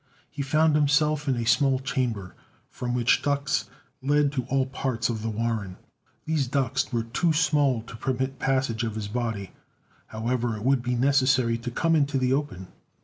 He found himself in a small chamber, from which ducts led to all parts of the warren. These ducts were too small to permit passage of his body, however; it would be necessary to come into the open.